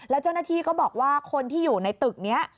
แล้วเจ้าหน้าที่ก็บอกว่าคนที่อยู่ในตึกนี้